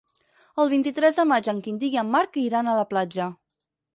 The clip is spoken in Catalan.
El vint-i-tres de maig en Quintí i en Marc iran a la platja.